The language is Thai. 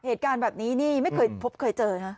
เหตุการณ์แบบนี้นี่ไม่เคยพบเคยเจอนะ